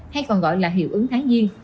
hay còn gọi là hiệu ứng tháng giêng